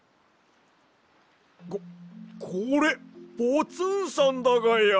ここれポツンさんだがや！